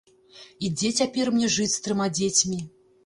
І дзе цяпер мне жыць з трыма дзецьмі?